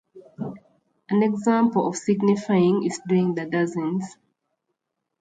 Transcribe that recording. An example of signifyin' is doing the Dozens.